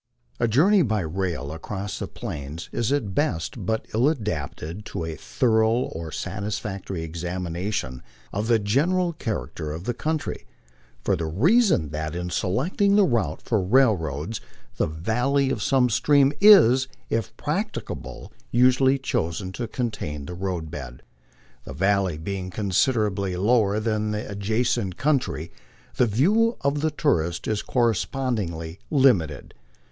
A journey by rail across the Plains is at best but ill adapted to a thorough or sat isfactory examination of the general character of the country, for the reason that in selecting the route for railroads the valley of some stream is, if practica ble, usually chosen to contain the road bed. The valley being considerably lower than the adjacent country, the view of the tourist is correspondingly lim ited.